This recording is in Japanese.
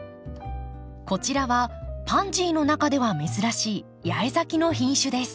こちらはパンジーの中では珍しい八重咲きの品種です。